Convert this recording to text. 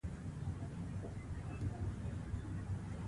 او لازمه توجع يې ورته نه ده کړې